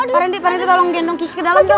pak rendy pak rendy tolong gendong kiki ke dalam dong